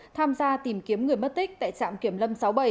tham gia tìm kiếm người mất tích tại trạm kiểm lâm sáu mươi bảy